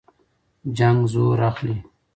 جنګ زور اخلي.